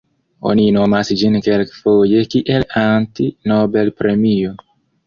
Oni nomas ĝin kelkfoje kiel "Anti-Nobelpremio".